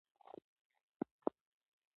لنډۍ چې ازانګې یې خپرې سوې، برخلیک یې بدل کړ.